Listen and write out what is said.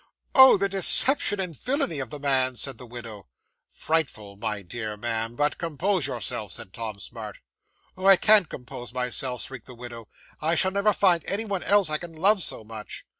'"Oh, the deception and villainy of the man!" said the widow. '"Frightful, my dear ma'am; but compose yourself," said Tom Smart. '"Oh, I can't compose myself," shrieked the widow. "I shall never find anyone else I can love so much!"